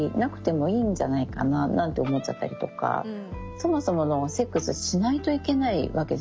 そもそものセックスしないといけないわけじゃないし。